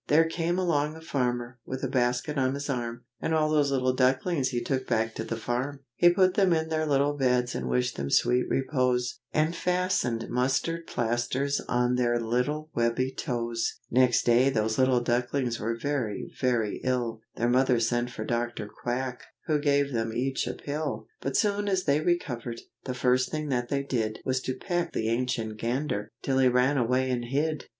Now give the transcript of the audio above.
There came along a farmer, with a basket on his arm, And all those little ducklings he took back to the farm, He put them in their little beds and wished them sweet repose, And fastened mustard plasters on their little webby toes. Next day those little ducklings were very, very ill, Their mother sent for Dr. Quack, who gave them each a pill, But soon as they recovered, the first thing that they did Was to peck the Ancient Gander, till he ran away and hid.